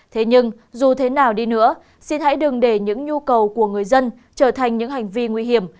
thế nhưng dù thế nào đi nữa xin hãy đừng để những nhu cầu của người dân trở thành những hành vi nguy hiểm